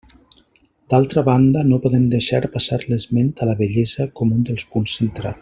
D'altra banda, no podem deixar passar l'esment a la bellesa com un dels punts centrals.